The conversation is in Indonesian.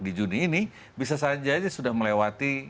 di juni ini bisa saja sudah melewati